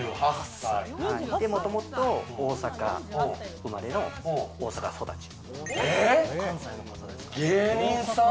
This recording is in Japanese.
もともと大阪生まれの大阪育ち。